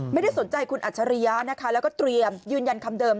ไม่ได้สนใจคุณอัจฉริยะนะคะแล้วก็เตรียมยืนยันคำเดิม